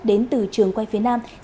đến từ trường quay phía nước